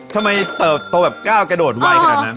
เติบโตแบบก้าวกระโดดไวขนาดนั้น